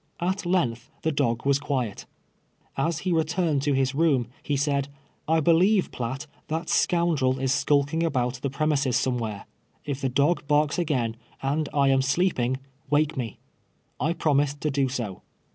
At length the dog was quiet. Ashe returned to his room, he said, " I believe, Piatt, that scoundrel is skulking about the premises si miewhere. If the dug barks again, and I am slee}>ing, wake me."' I promised to do so.